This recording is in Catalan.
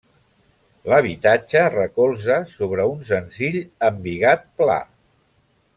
L'habitatge recolza sobre un senzill embigat pla.